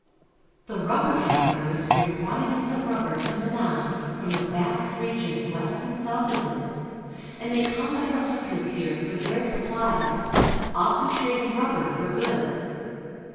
The rubber gatherers bring quantities of rubber to Manaos from the vast regions west and south of it, and they come by the hundreds here for their supplies, often Wharves, Manaos. trading rubber for goods.